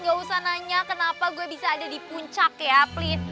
gak usah nanya kenapa gue bisa ada di puncak ya please